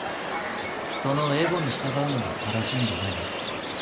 そのエゴに従うのが正しいんじゃないの？